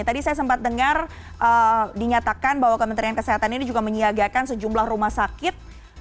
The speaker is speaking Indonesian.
tadi saya sempat dengar dinyatakan bahwa kementerian kesehatan ini juga menyiagakan sejumlah rumah sakit